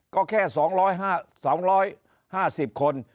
ก็แค่๒๕๐คน